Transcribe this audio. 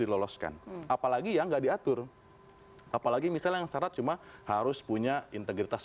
diloloskan apalagi yang nggak diatur apalagi misalnya yang syarat cuma harus punya integritas